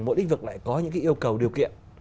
mỗi lĩnh vực lại có những yêu cầu điều kiện